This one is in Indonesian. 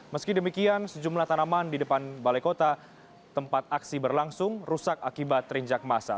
meski demikian sejumlah tanaman di depan balai kota tempat aksi berlangsung rusak akibat terinjak masa